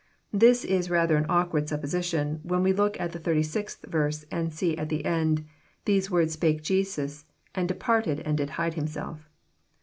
This is rather an awkward supposition, when we look at the thirty sixth verse, and see at the end, " These words spake Jesus and departed, and did hide Himself."